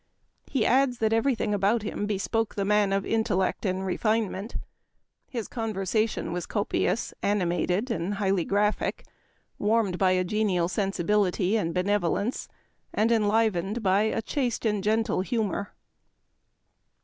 He adds that every thing about him bespoke the man of intellect and refinement. His conversa tion was copious, animated, and highly graphic, warmed by a genial sensibility and benevolence, and enlivened by a chaste and gentle humor.